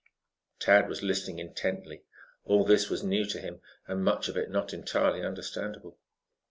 Tad was listening intently. All this was new to him and much of it not entirely understandable.